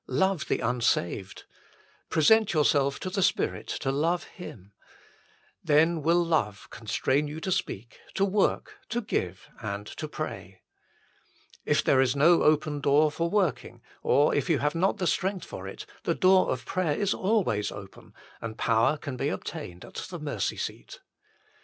Love the unsaved. Present yourself to the Spirit to love Him. Then will love constrain you to speak, to work, to give, HOW IT MAY BE INCREASED 117 and to pray. If there is no open door for working, or if you have not the strength for it, the door of prayer is always open, and power can be obtained at the mercy seat.